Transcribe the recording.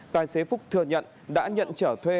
tài xế phúc thừa nhận đã nhận trở thuê